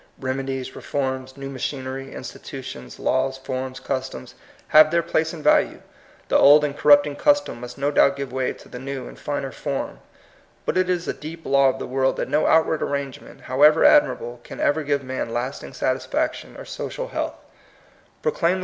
Remedies, reforms, new machinery, institu tions, laws, forms, customs, have their place and value. The old and corrupting custom must no doubt give way to the new and finer form. But it is a deep law of the world that no outward arrangement, how ever admirable, can ever give man lasting satisfaction or social health. Proclaim the THE MOTTO OF VICTORY.